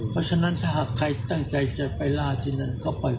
เพราะฉะนั้นถ้าหากใครตั้งใจจะไปล่าที่นั่นก็ไป